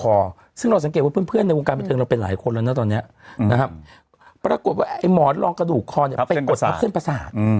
ซึ่งเราสังเกตว่าเพื่อนในวงการบันเทิงเราเป็นหลายคนแล้วนะตอนนี้นะครับปรากฏว่าไอ้หมอนรองกระดูกคอเนี่ยไปกดทับเส้นประสาท